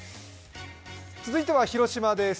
続いては広島です。